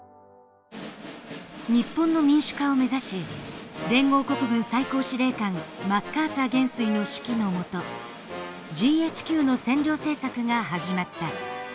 日本の民主化を目指し連合国軍最高司令官マッカーサー元帥の指揮の下ＧＨＱの占領政策が始まった。